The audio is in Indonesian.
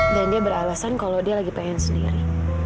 dan dia beralasan kalau dia lagi pengen sendiri